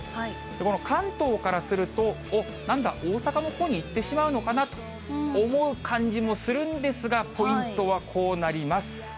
この関東からすると、おっ、なんだ、大阪のほうに行ってしまうのかな？と思う感じもするんですが、ポイントはこうなります。